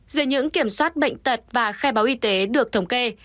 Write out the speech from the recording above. giữa những kiểm soát bệnh tật và khe báo y tế được thống kê